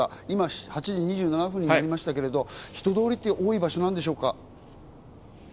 今８時２７分になりましたが人通りって多い場所なんでしょうか？